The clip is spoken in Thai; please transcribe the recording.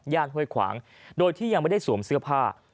ห้วยขวางโดยที่ยังไม่ได้สวมเสื้อผ้า